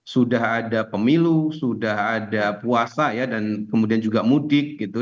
sudah ada pemilu sudah ada puasa ya dan kemudian juga mudik gitu